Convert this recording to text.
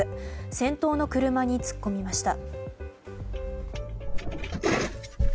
先頭の車に突っ込みました。